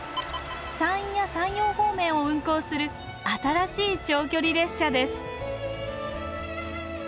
山陰や山陽方面を運行する新しい長距離列車です